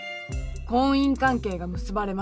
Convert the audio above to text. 婚姻関係が結ばれました。